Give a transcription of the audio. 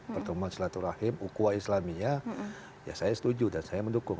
pertemuan silaturahim ukuah islamiyah ya saya setuju dan saya mendukung